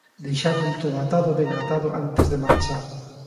Deixaban todo atado e ben atado antes de marchar.